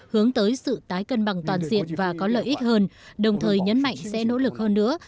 hướng tới sự tái cân bằng toàn diện và có lợi ích hơn đồng thời nhấn mạnh sẽ nỗ lực hơn nữa